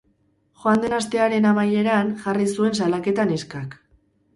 Joan den astearen amaieran jarri zuen salaketa neskak.